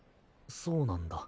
そうなんだ。